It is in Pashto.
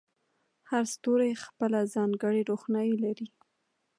هر ستوری خپله ځانګړې روښنایي لري.